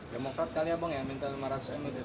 demokrat kali ya bang yang minta lima ratus miliar